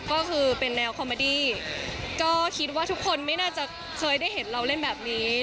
ก็คือเป็นแนวคอมเมอดี้ก็คิดว่าทุกคนไม่น่าจะเคยได้เห็นเราเล่นแบบนี้